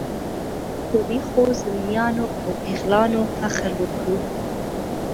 په ویښو زلمیانو او پیغلانو فخر وکړو.